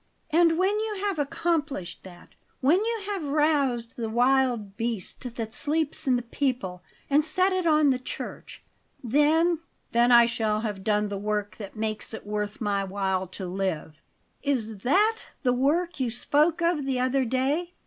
"And when you have accomplished that; when you have roused the wild beast that sleeps in the people and set it on the Church; then " "Then I shall have done the work that makes it worth my while to live." "Is THAT the work you spoke of the other day?"